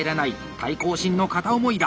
対抗心の片思いだ！